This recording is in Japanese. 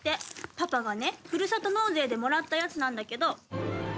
パパがね、ふるさと納税でもらったやつなんだけど。